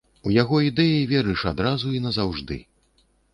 У яго ідэі верыш адразу і назаўжды.